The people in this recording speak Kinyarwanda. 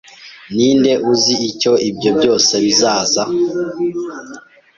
Ninde uzi icyo ibyo byose bizaza.